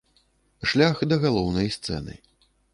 Шлях да галоўнай сцэны.